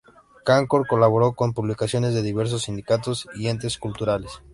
Kantor colaboró con publicaciones de diversos sindicatos y entes culturales.